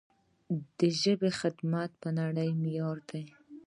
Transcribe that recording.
د ژبې خدمت په نړیوال معیار دی.